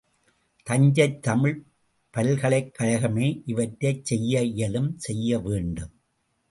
தஞ்சைத் தமிழ்ப் பல்கலைக்கழகமே இவற்றைச் செய்ய இயலும் செய்யவேண்டும்.